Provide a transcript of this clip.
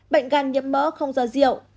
bệnh gan nhiễm mỡ không do diệu